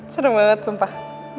seneng banget sumpah